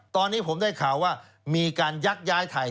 ตอนนี้ผมได้ข่าวว่ามีการยักย้ายไทย